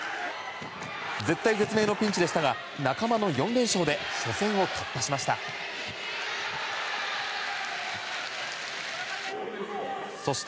絶体絶命のピンチでしたが仲間の４連勝で初戦を突破しました。